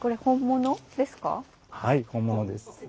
はい本物です。